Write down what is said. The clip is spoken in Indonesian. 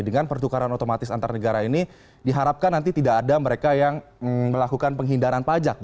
dengan pertukaran otomatis antar negara ini diharapkan nanti tidak ada mereka yang melakukan penghindaran pajak